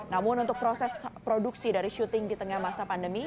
namun untuk proses produksi dari syuting di tengah masa pandemi